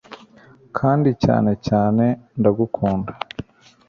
kandi cyane cyane .... ndagukunda